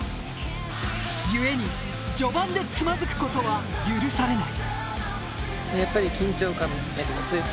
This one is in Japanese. ゆえに序盤でつまづくことは許されない。